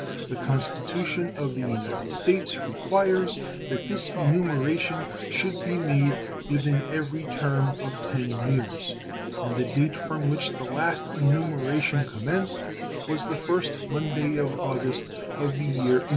The Constitution of the United States requires that this enumeration should be made within every term of ten years, and the date from which the last enumeration commenced was the first Monday of August of the year 1820.